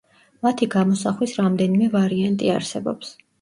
მათი გამოსახვის რამდენიმე ვარიანტი არსებობს.